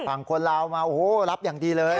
คนลาวมาโอ้โหรับอย่างดีเลย